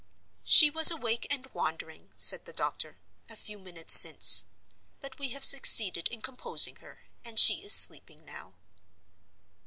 "She was awake and wandering," said the doctor, "a few minutes since. But we have succeeded in composing her, and she is sleeping now."